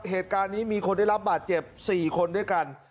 เหตุการณ์นี้มีคนได้รับบาดเจ็บ๔คนด้วยกัน